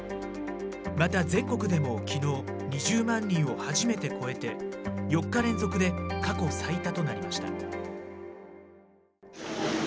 また全国でもきのう、２０万人を初めて超えて、４日連続で過去最多となりました。